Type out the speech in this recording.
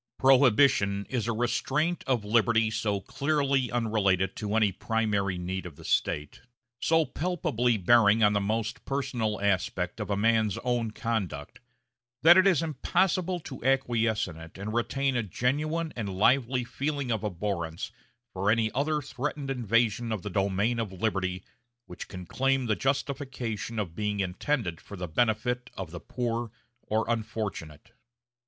Prohibition is a restraint of liberty so clearly unrelated to any primary need of the state, so palpably bearing on the most personal aspect of a man's own conduct, that it is impossible to acquiesce in it and retain a genuine and lively feeling of abhorrence for any other threatened invasion of the domain of liberty which can claim the justification of being intended for the benefit of the poor or unfortunate.